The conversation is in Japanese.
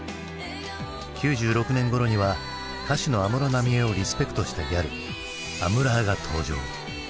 ９６年ごろには歌手の安室奈美恵をリスペクトしたギャルアムラーが登場。